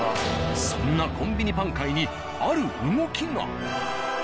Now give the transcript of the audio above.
そんなコンビニパン界にある動きが。